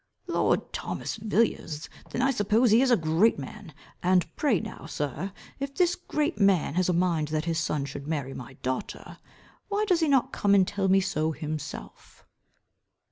"Lord Thomas Villiers! Then I suppose he is a great man. And pray now, sir, if this great man has a mind that his son should marry my daughter, why does he not come and tell me so himself?"